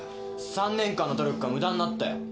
３年間の努力が無駄になったよ。